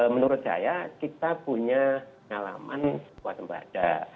menurut saya kita punya alaman buatan badan